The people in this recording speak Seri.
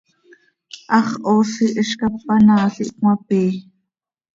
Hax hoosi hizcap panaal ih cömapii.